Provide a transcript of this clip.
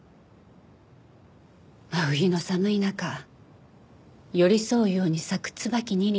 真冬の寒い中寄り添うように咲く椿２輪。